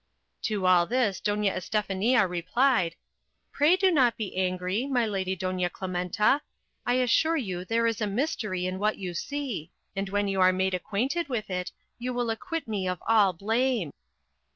To all this Doña Estefania replied: "Pray do not be angry, my lady Doña Clementa. I assure you there is a mystery in what you see; and when you are made acquainted with it you will acquit me of all blame."